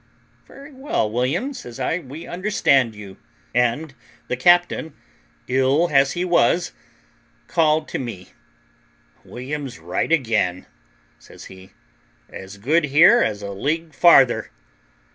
"Very well, William," says I, "we understand you." And the captain, as ill as he was, called to me, "William's right again," says he; "as good here as a league farther."